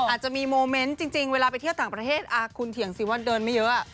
อาจจะมีโมเมนต์จริงเวลาไปเที่ยวต่างประเทศคุณเถียงสิว่าเดินไม่เยอะ